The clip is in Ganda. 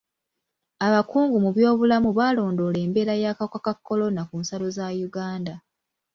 Abakungu mu byobulamu balondoola embeera y'akawuka ka kolona ku nsalo za Uganda.